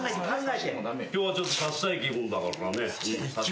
今日はちょっとさしたい気分だからね。